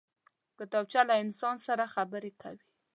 کتابچه له انسان سره خبرې کوي